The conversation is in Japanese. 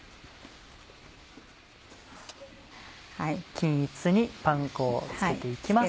均一にパン粉を付けて行きます。